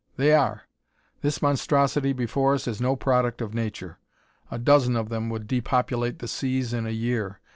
"They are. This monstrosity before us is no product of nature. A dozen of them would depopulate the seas in a year.